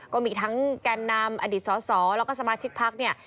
ก็มีทั้งแกนนำอดีตสสแล้วก็สมาชิกพักเนี่ย